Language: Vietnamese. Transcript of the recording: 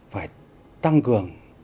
phải tăng cường